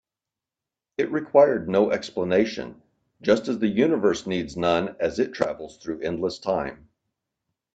It required no explanation, just as the universe needs none as it travels through endless time.